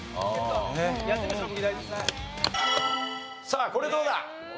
さあこれどうだ？